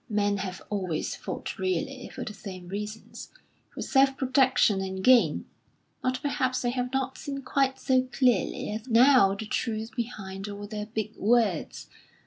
"Men have always fought really for the same reasons for self protection and gain; but perhaps they have not seen quite so clearly as now the truth behind all their big words.